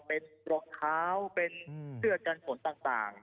เป็นรองเท้าเป็นเสื้อกันฝนต่าง